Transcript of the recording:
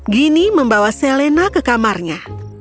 gini membawa selena ke kamarnya